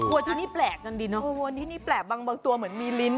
วัวที่นี่แปลกกันดีเนอะวัวที่นี่แปลกบางบางตัวเหมือนมีลิ้น